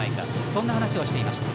そんな話をしていました。